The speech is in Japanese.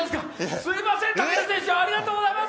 すいません、武尊選手、ありがとうございます。